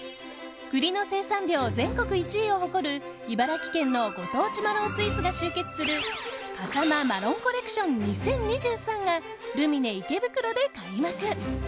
栗の生産量全国１位を誇る茨城県のご当地マロンスイーツが集結する「笠間マロンコレクション２０２３」がルミネ池袋で開幕！